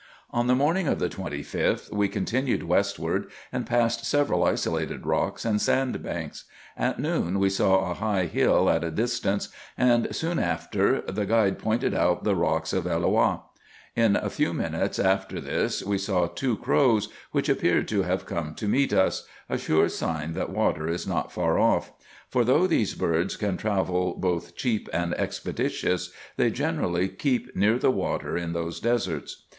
On the morning of the 25th, we continued westward, and passed several isolated rocks and sand banks. At noon we saw a high hill at a distance, and soon after the guide pointed out the Rocks of Elloah : in a few minutes after this we saw two crows, which ap 3 F 402 RESEARCHES AND OPERATIONS peared to have come to meet us, — a sure sign that water is not far off; for though these birds can travel both cheap and expeditious, they generally keep near the water in those deserts.